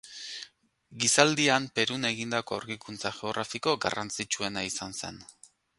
Gizaldian Perun egindako aurkikuntza geografiko garrantzitsuena izan zen.